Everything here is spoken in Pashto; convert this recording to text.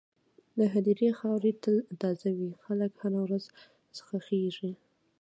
د هدیرې خاوره تل تازه وي، خلک هره ورځ ښخېږي.